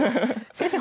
先生